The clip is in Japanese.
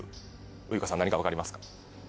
ウイカさん何かわかりますか？